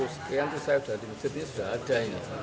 enam puluh sekian saya sudah di masjid ini sudah ada